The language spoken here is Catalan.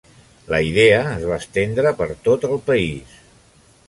La idea es va estendre per tot el país.